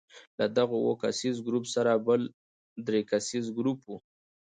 له دغو اووه کسیز ګروپ سره بل درې کسیز ګروپ وو.